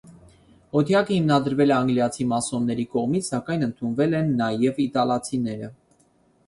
Օթյակը հիմնադրվել է անգլիացի մասոնների կողմից, սակայն ընդունվել են նաև իտալացիները։